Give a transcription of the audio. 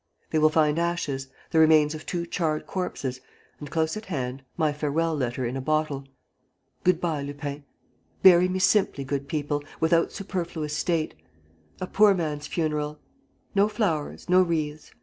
They will find ashes, the remains of two charred corpses and, close at hand, my farewell letter in a bottle. ... Good bye, Lupin! Bury me simply, good people, without superfluous state ... a poor man's funeral ... No flowers, no wreaths.